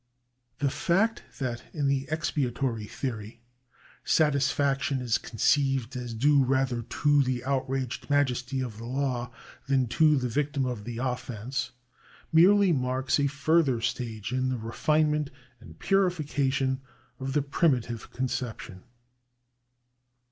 The fact that in the ex piatory theory satisfaction is conceived as due rather to the outraged majesty of the law, than to the victim of the offence, merely marks a further stage in the refinement and purification of the primitive conception.